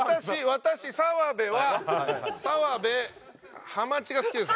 私澤部は澤部ハマチが好きです。